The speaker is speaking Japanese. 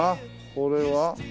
これは？